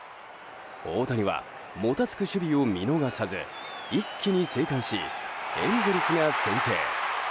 大谷はもたつく守備を見逃さず一気に生還しエンゼルスが先制。